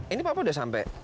ini papa udah sangka